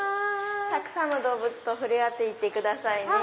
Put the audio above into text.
たくさんの動物と触れ合って行ってくださいね。